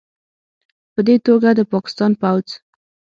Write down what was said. پدې توګه، د پاکستان پوځ